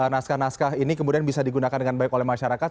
naskah naskah ini kemudian bisa digunakan dengan baik oleh masyarakat